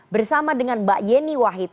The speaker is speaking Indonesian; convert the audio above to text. bersama dengan mbak yeni wahid